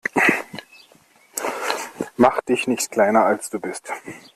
Mach dich nicht kleiner, als du bist.